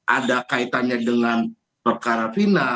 ada kaitannya dengan perkara pidana